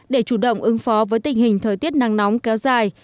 để chủ động ứng phó với tình hình thời tiết nắng nóng kéo dài